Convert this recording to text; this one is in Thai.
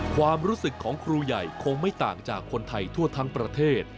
ความรู้สึกของครูใหญ่คงไม่ต่างจากคนไทยทั่วทั้งประเทศ